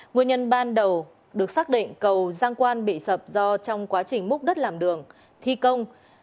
nguyên nhân ban đầu được xác định cầu giang quan bị sập do trong quá trình múc đất làm đường thi công